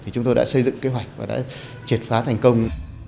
chúng tôi đã xây dựng kế hoạch và đã triệt phá thành công